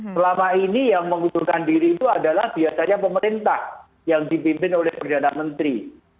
selama ini yang mengundurkan diri itu adalah biasanya pemerintah yang dipimpin oleh perdana menteri